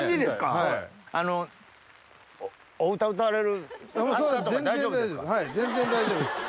はい全然大丈夫です。